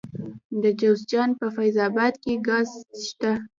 د جوزجان په فیض اباد کې ګاز شته.